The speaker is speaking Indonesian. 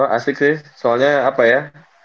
oh asik sih soalnya apa ya